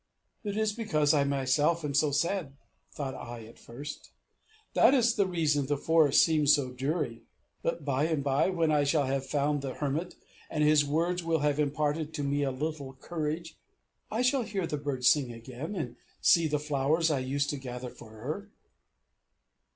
"It is because I myself am so sad," thought I at first; "that is the reason the forest seems so dreary; but by and by, when I shall have found the Hermit, and his words will have imparted to me a little courage, I shall hear the birds sing again, and see the flowers I used to gather for her!"